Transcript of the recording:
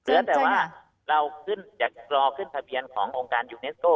เหลือแต่ว่าเราขึ้นจากรอขึ้นทะเบียนขององค์การยูเนสโก้